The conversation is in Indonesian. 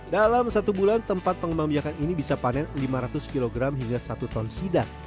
dalam satu bulan tempat pengembang biakan ini bisa panen lima ratus kg hingga satu ton sidak